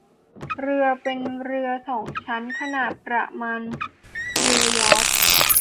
เรือเป็นเรือ สอง ชั้นขนาดประมาณเรือยอร์ช